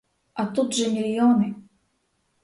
А тут же мільйони!